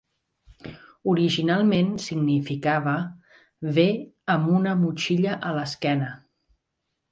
Originalment significava, Ve amb una motxilla a l'esquena.